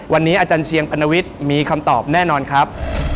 วันนี้อาจารย์เชียงปรณวิทย์มีคำตอบแน่นอนครับ